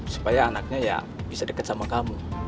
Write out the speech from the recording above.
supaya anaknya ya bisa dekat sama kamu